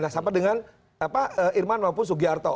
nah sama dengan irman maupun sugiarto